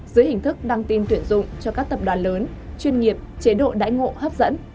dưới hình thức đăng tin tuyển dụng cho các tập đoàn lớn chuyên nghiệp chế độ đãi ngộ hấp dẫn